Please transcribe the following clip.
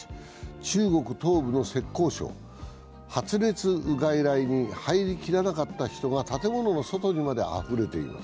中国東部の浙江省、発熱外来に入りきらなかった人が建物の外にまであふれています。